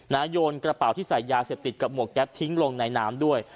โยนกระเป๋าที่ใส่ยาเสพติดกับหมวกแก๊ปทิ้งลงในน้ำด้วย